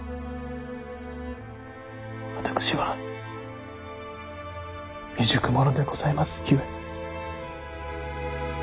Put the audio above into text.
私は未熟者でございますゆえ。